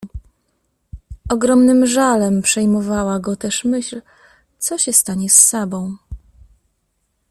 Ogromnym żalem przejmowała go też myśl, co się stanie z Sabą.